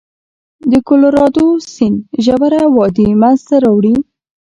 د کلورادو سیند ژوره وادي منځته راوړي.